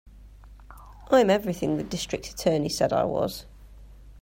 I'm everything the District Attorney said I was.